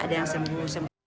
ada yang sembuh